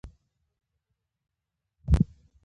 برنډې ته ووتله، په کوچنۍ ګلدانۍ یې سترګې ولګېدې.